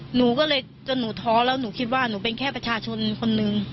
หนูก็เลยจนหนูท้อแล้วหนูคิดว่าหนูเป็นแค่ประชาชนคนนึง